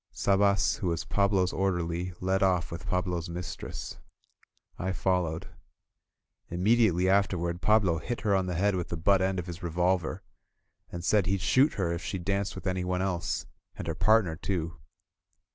Sabas, who was Pablo's orderly, led off with Pablo's mistress. I followed. Immediately afterward Pablo hit her on the head with the butt end of his revolver, and said he'd shoot her if she danced with anyone else, and her partner too.